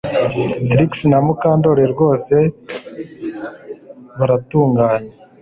Trix na Mukandoli rwose baratunganye